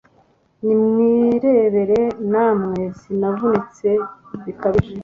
nimwirebere namwe: sinavunitse bikabije